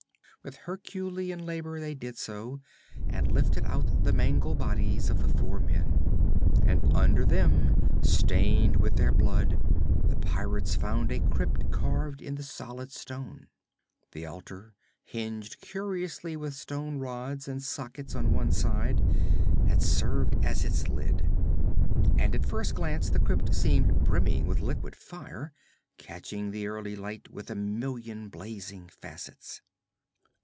With herculean labor they did so, and lifted out the mangled bodies of the four men. And under them, stained with their blood, the pirates found a crypt carved in the solid stone. The altar, hinged curiously with stone rods and sockets on one side, had served as its lid. And at first glance the crypt seemed brimming with liquid fire, catching the early light with a million blazing facets.